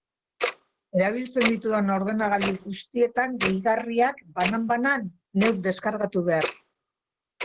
Erabiltzen ditudan ordenagailu guztietan gehigarriak, banan-banan, neuk deskargatu behar.